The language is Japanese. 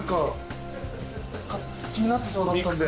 気になってそうだったので。